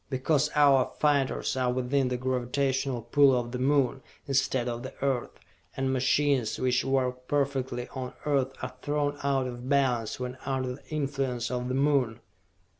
Because our fighters are within the gravitational pull of the Moon, instead of the Earth, and machines which work perfectly on Earth are thrown out of balance when under the influence of the Moon!"